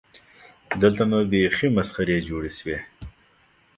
دلته نو بیخي مسخرې جوړې شوې.